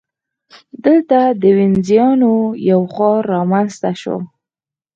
دلته د وینزیانو یو ښار رامنځته شو.